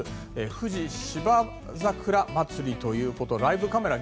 富士芝桜まつりということでライブカメラ